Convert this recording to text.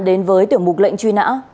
đến với tiểu mục lệnh truy nã